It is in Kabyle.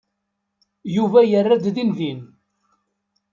Yuba yerra-d dindin.